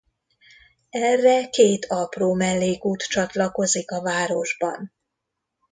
Erre két apró mellékút csatlakozik a városban.